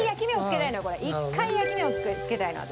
１回焼き目を付けたいの私。